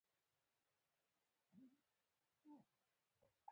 کړي لویان به څراغونه ترې ترلاسه